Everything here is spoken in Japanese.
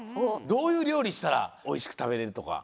どういうりょうりしたらおいしくたべれるとか。